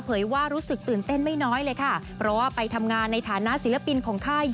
ว่ารู้สึกตื่นเต้นไม่น้อยเลยค่ะเพราะว่าไปทำงานในฐานะศิลปินของค่าย